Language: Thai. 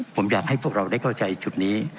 ผมอยากให้พวกเราได้เข้าใจจุดนี้